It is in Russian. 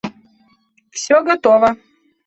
– Все готово.